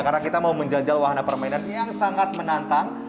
karena kita mau menjanjian wahana permainan yang sangat menantang